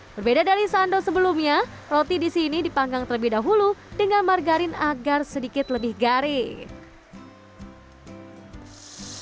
berbeda dari sandow sebelumnya roti di sini dipanggang terlebih dahulu dengan margarin agar sedikit lebih garis